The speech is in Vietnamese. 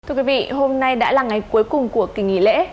thưa quý vị hôm nay đã là ngày cuối cùng của kỳ nghỉ lễ